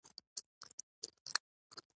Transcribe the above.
شمه بارقه په پارسي ژبه لیکل شوې ده.